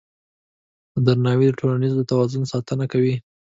درناوی د ټولنیز توازن ساتنه کوي.